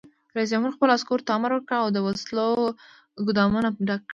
رئیس جمهور خپلو عسکرو ته امر وکړ؛ د وسلو ګودامونه ډک کړئ!